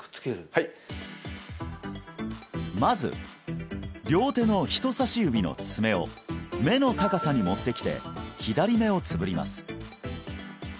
はいまず両手の人さし指の爪を目の高さに持ってきて左目をつぶります